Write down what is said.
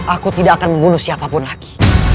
aku tidak akan membunuh siapapun lagi